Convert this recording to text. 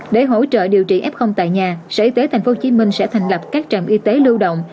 để hỗ trợ điều trị f tại nhà sở y tế tp hcm sẽ thành lập các trạm y tế lưu động